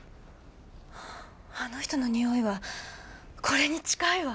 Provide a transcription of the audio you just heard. あの人のにおいはこれに近いわ！